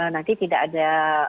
nanti tidak ada